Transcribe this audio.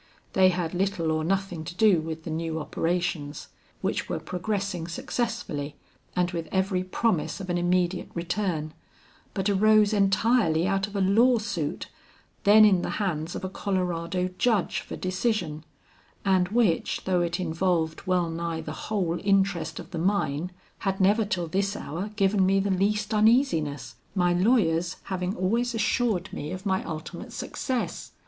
They had little or nothing to do with the new operations, which were progressing successfully and with every promise of an immediate return, but arose entirely out of a law suit then in the hands of a Colorado judge for decision, and which, though it involved well nigh the whole interest of the mine, had never till this hour given me the least uneasiness, my lawyers having always assured me of my ultimate success.